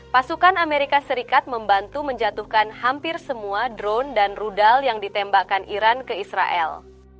pasukan amerika serikat membantu menjatuhkan hampir semua drone dan rudal yang ditembakkan iran ke israel